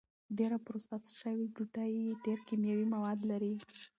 ډېره پروسس شوې ډوډۍ ډېر کیمیاوي مواد لري.